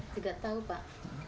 tidak tahu pak